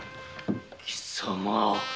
貴様